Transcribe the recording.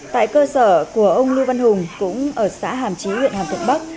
tại cơ sở của ông lưu văn hùng cũng ở xã hàm trí huyện hàm thuận bắc